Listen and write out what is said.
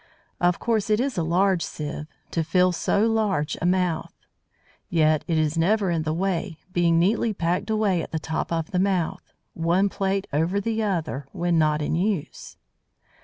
Of course it is a large sieve, to fill so large a mouth. Yet it is never in the way, being neatly packed away at the top of the mouth, one plate over the other, when not in use.